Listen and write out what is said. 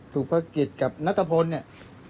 ถูกพักกิจกับนัตรพลนี่